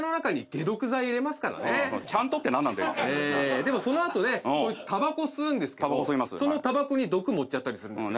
でもその後ねこいつたばこ吸うんですけどそのたばこに毒盛っちゃったりするんですよね。